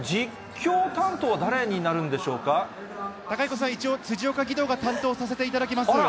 そして、きょう、貴彦さん、一応、辻岡義堂が担当させていただきます。